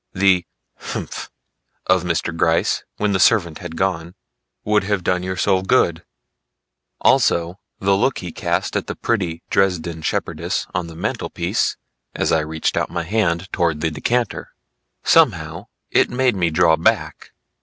The humph! of Mr. Gryce when the servant had gone would have done your soul good, also the look he cast at the pretty Dresden Shepherdess on the mantel piece, as I reached out my hand towards the decanter. Somehow it made me draw back.